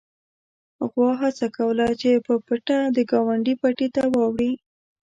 غوا هڅه کوله چې په پټه د ګاونډي پټي ته واوړي.